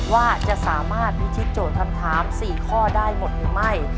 ว่าจะสามารถพิชิตโจทย์คำถาม๔ข้อได้หมดหรือไม่